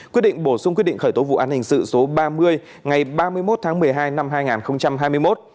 quyết định bổ sung quyết định khởi tố vụ án hình sự số ba mươi ngày ba mươi một tháng một mươi hai năm hai nghìn hai mươi một